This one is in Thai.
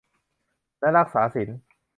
และรักษาศีล